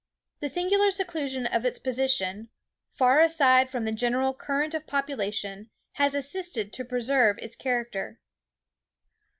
The singular seclusion of its position, far aside from the general current of population, has assisted to preserve its character.